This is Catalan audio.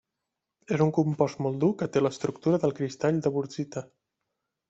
És un compost molt dur que té l'estructura del cristall de Wurtzita.